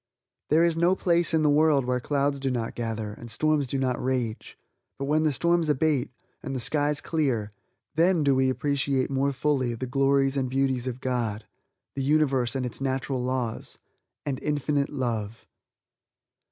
There is no place in the world where clouds do not gather, and storms do not rage; but when the storms abate, and the skies clear, then do we appreciate more fully the glories and beauties of God, the Universe and its natural laws, and Infinite Love.